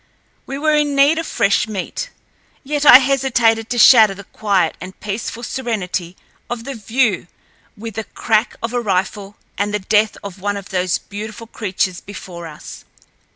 We were in need of fresh meat, yet I hesitated to shatter the quiet and peaceful serenity of the view with the crack of a rifle and the death of one of those beautiful creatures before us.